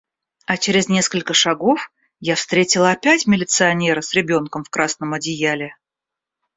А через несколько шагов я встретила опять милиционера с ребёнком в красном одеяле.